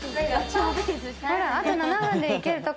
あと７分で行ける所。